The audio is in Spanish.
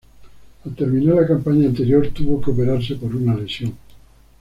Al terminar la campaña anterior tuvo que operarse por una lesión.